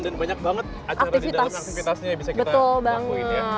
dan banyak banget ajaran di dalam aktivitasnya bisa kita lakuin ya